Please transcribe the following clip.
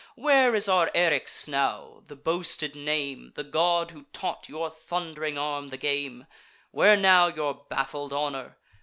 Where is our Eryx now, the boasted name, The god who taught your thund'ring arm the game? Where now your baffled honour?